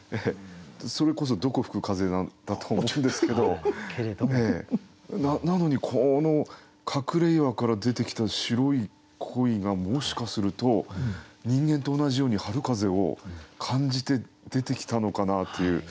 それこそどこ吹く風なんだと思うんですけどなのにこの隠れ岩から出てきた白い鯉がもしかすると人間と同じように春風を感じて出てきたのかなという。